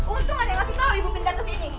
untung ada yang ngasih tau ibu pindah kesini